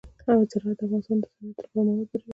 زراعت د افغانستان د صنعت لپاره مواد برابروي.